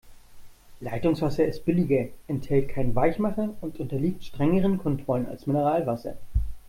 Leitungswasser ist billiger, enthält keinen Weichmacher und unterliegt strengeren Kontrollen als Mineralwasser.